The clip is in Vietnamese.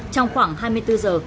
trong khoảng hai mươi bốn giờ